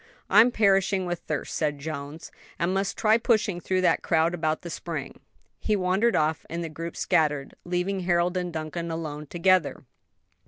"I'm perishing with thirst," said Jones, "and must try pushing through that crowd about the spring." He wandered off and the group scattered, leaving Harold and Duncan alone together.